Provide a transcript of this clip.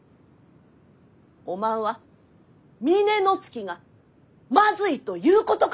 おまんは峰乃月がまずいということか！？